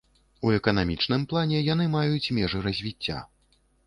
У эканамічным плане яны маюць межы развіцця.